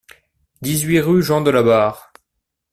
dix-huit rue Jean de la Barre